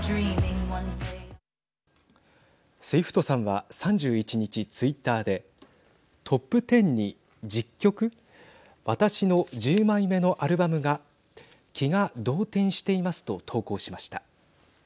スウィフトさんは３１日ツイッターでトップ１０に１０曲私の１０枚目のアルバムが気が動転していますと投稿しました。